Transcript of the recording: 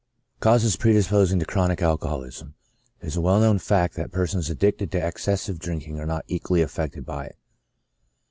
CAUSES PREDISPOSING TO CHRONIC ALCOHOLISM. It is a well known fact that persons addicted to exces sive drinking are not equally affected by it.